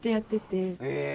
え！